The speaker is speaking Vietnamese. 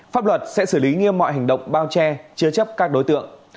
pháp luật sẽ xử lý nghiêm mọi hành động bao che chứa chấp các đối tượng